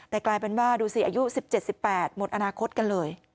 แต่กลายเป็นว่าดูสิอายุ๑๗๑๘หมดอนาคตกันเลย